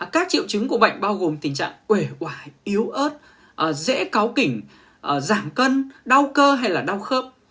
các triệu chứng của bệnh bao gồm tình trạng quể quài yếu ớt dễ cáu kỉnh giảm cân đau cơ hay đau khớp